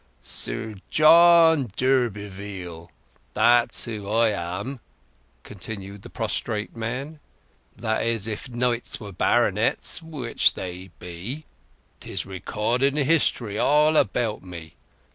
"Sir John d'Urberville—that's who I am," continued the prostrate man. "That is if knights were baronets—which they be. 'Tis recorded in history all about me.